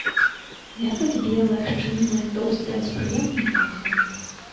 Мякаць белая, шчыльная, тоўстая, з прыемным пахам.